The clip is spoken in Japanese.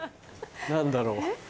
何だろう。